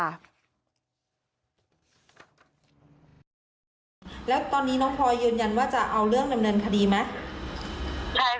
แล้วตอนนี้น้องพลอยยืนยันว่าจะเอาเรื่องดำเนินคดีไหม